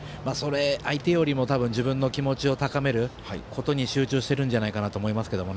相手よりも自分の気持ちを高めることに集中してるんじゃないかなと思います。